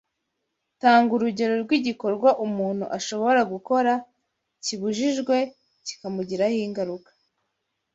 Tanga urugero rw’igikorwa umuntu ashobora gukora kibujijwe kikamugiraho ingaruka